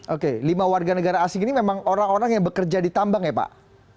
oke lima warga negara asing ini memang orang orang yang bekerja di tambang ya pak